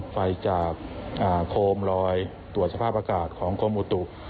ไฟจากโคมลอยตรวจสภาพอากาศของกรมอุตุ